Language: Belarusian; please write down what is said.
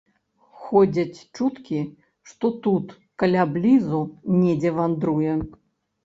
Ходзяць чуткі, што тут каля блізу недзе вандруе.